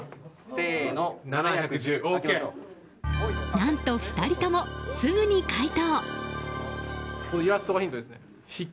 何と、２人ともすぐに回答。